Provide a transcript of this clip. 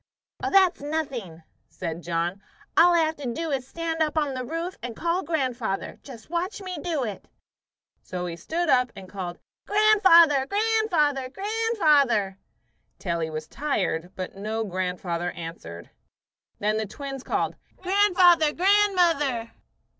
"Oh, that's nothing," said John. "All I'll have to do is to stand up on the roof and call grandfather. Just watch me do it." So he stood up and called, "Grandfather! Grandfather! Grandfather!" till he was tired; but no grandfather answered. Then the twins called, "Grandfather! Grandmother!"